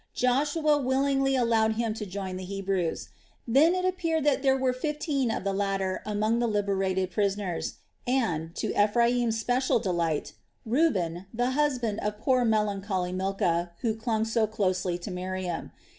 Joshua willingly allowed him to join the Hebrews. Then it appeared that there were fifteen of the latter among the liberated prisoners and, to Ephraim's special delight, Reuben, the husband of poor melancholy Milcah, who clung so closely to Miriam.